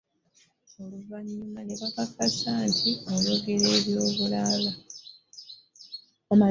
Oluvannyuma ne bakakasa nti Ayogera bya bulalu.